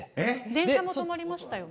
電車も止まりましたよね。